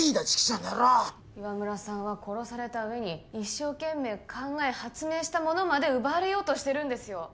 あの野郎っ岩村さんは殺された上に一生懸命考え発明したものまで奪われようとしてるんですよ